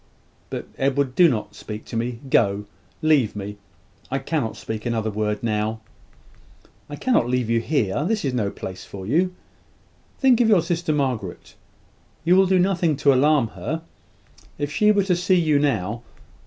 But, Edward, do not speak to me. Go: leave me! I cannot speak another word now " "I cannot leave you here. This is no place for you. Think of your sister, Margaret. You will do nothing to alarm her. If she were to see you now